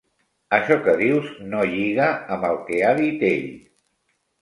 Això que dius no lliga amb el que ha dit ell.